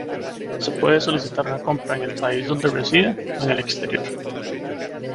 Se puede solicitar una compra en el país donde reside o en el exterior.